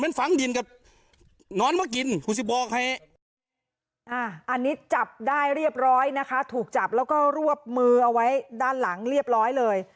อันนี้จับได้เรียบร้อยนะคะถูกจับแล้วก็รวบมือเอาไว้ด้านหลังเรียบร้อยเลย